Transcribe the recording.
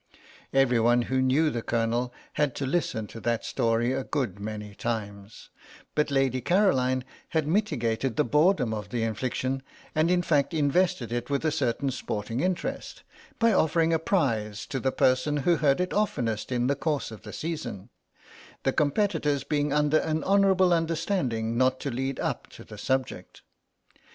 Everyone who knew the Colonel had to listen to that story a good many times, but Lady Caroline had mitigated the boredom of the infliction, and in fact invested it with a certain sporting interest, by offering a prize to the person who heard it oftenest in the course of the Season, the competitors being under an honourable understanding not to lead up to the subject.